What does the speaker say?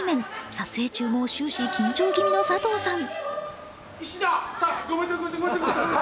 撮影中も終始緊張ぎみの佐藤さん。